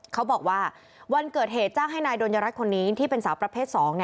เขาบอกว่าวันเกิดเหตุจ้างให้นายดนยรัฐคนนี้ที่เป็นสาวประเภท๒